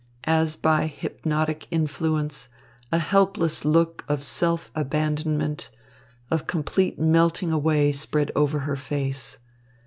As by hypnotic influence, a helpless look of self abandonment, of complete melting away spread over her face.